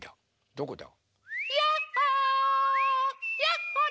どこだ？